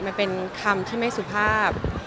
มันเป็นคำที่ไม่สุภาพ